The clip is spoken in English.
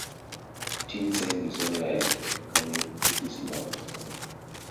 Tien saves his own life by becoming a Buddhist monk.